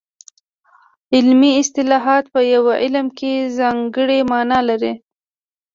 علمي اصطلاحات په یو علم کې ځانګړې مانا لري